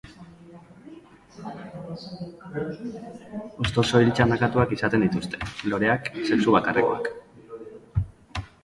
Hosto soil txandakatuak izaten dituzte; loreak, sexu bakarrekoak.